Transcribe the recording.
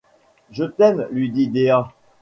Je t’aime, lui dit Dea.